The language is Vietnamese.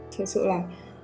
thật sự là